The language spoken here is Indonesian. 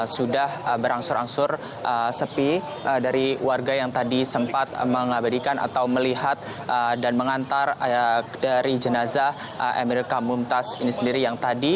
sudah berangsur angsur sepi dari warga yang tadi sempat mengabadikan atau melihat dan mengantar dari jenazah emeril khan mumtaz ini sendiri yang tadi